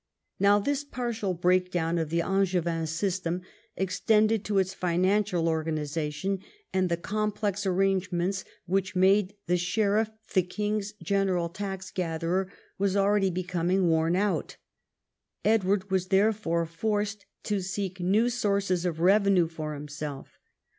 Now this partial break down of the Angevin system extended to its financial organisation, and the complex arrangements which made the sheriff the king's general tax gatherer was already becoming Avorn out. Edward was therefore forced to seek new sources of revenue for himself.